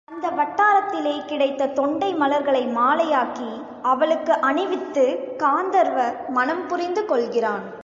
அந்த வட்டாரத்திலே கிடைத்த தொண்டை மலர்களை மாலையாக்கி அவளுக்கு அணிவித்துக் காந்தர்வ மணம் புரிந்து கொள்கிறான்.